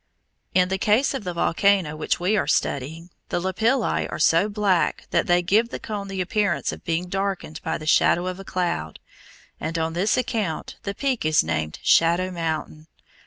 In the case of the volcano which we are studying, the lapilli are so black that they give the cone the appearance of being darkened by the shadow of a cloud, and on this account the peak is named Shadow Mountain.